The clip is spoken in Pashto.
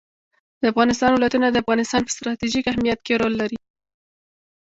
د افغانستان ولايتونه د افغانستان په ستراتیژیک اهمیت کې رول لري.